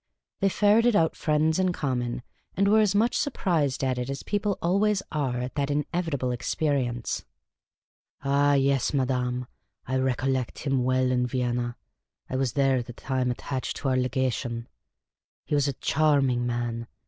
They ferreted out friends in common, and were as much surprised at it as people always are at that inevitable experience. '' Ah j^es, madame, I recollect him well in Vienna. I was there at the time, attached to our Legation. He was a charming man.